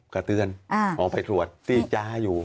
กระเตือนพอไปถูกสวดที่จ้าอยู่